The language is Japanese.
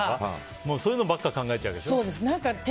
そういうのばっか考えちゃう？